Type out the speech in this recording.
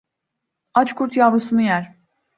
Aç kurt yavrusunu yer.